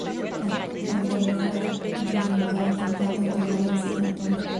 Al terminar, los mayordomos reparten tamales y atole.